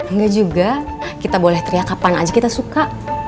enggak juga kita boleh teriak kapan aja kita suka